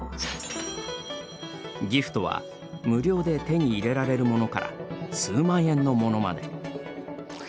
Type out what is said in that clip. ギフトは無料で手に入れられるものから数万円のものまで。